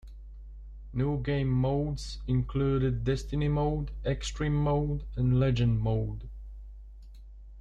New game modes included Destiny Mode, Xtreme Mode, and Legend Mode.